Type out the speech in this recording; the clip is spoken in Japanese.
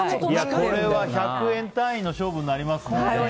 これは１００円単位の勝負ですね。